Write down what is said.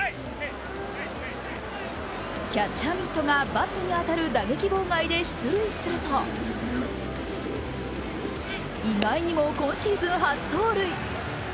キャッチャーミットがバットに当たる打撃妨害で出塁すると意外にも今シーズン初盗塁。